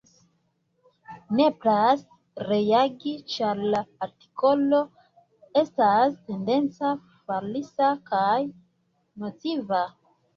Nepras reagi, ĉar la artikolo estas tendenca, falsa kaj nociva.